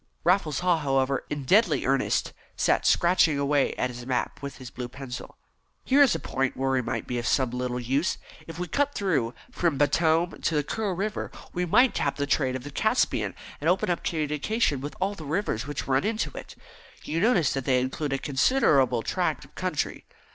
Raffles Haw, however, in deadly earnest, sat scratching away at his map with his blue pencil. "Here is a point where we might be of some little use. If we cut through from Batoum to the Kura River we might tap the trade of the Caspian, and open up communication with all the rivers which run into it. You notice that they include a considerable tract of country.